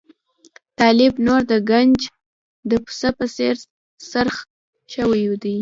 طالب نور د ګنج د پسه په څېر خرڅ شوی دی.